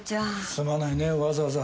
すまないねわざわざ。